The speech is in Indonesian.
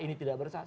ini tidak bersalah